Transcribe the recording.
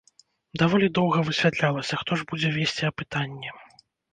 Даволі доўга высвятлялася, хто ж будзе весці апытанні.